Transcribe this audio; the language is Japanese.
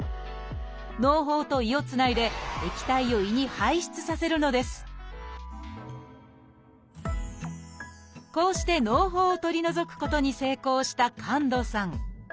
のう胞と胃をつないで液体を胃に排出させるのですこうしてのう胞を取り除くことに成功した神門さん。